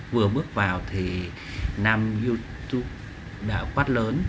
vừa bước vào thì nam youtube đã quát lớn